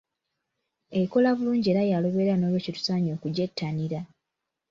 Ekola bulungi era ya lubeerera n'olw'ekyo tusaanye okugyettanira.